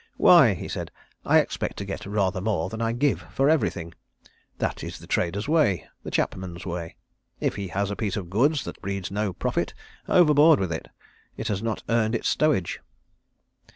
"Why," he said, "I expect to get rather more than I give for everything. That is the trader's way, the chapman's way. If he has a piece of goods that breeds no profit, overboard with it. It has not earned its stowage."